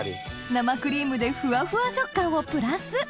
生クリームでふわふわ食感をプラス